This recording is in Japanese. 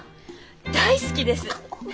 大好きです。